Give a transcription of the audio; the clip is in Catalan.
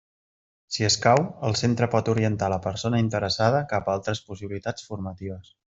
Si escau, el centre pot orientar la persona interessada cap a altres possibilitats formatives.